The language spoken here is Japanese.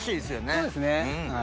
そうですね。